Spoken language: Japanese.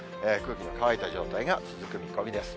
空気の乾いた状態が続く見込みです。